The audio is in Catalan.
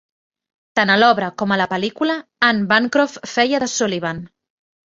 Tant a l'obra com a la pel·lícula Anne Bancroft feia de Sullivan.